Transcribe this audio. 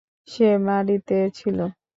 সে বাড়িতে ছিল।